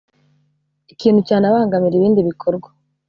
ikintu cyanabangamira ibindi bikorwa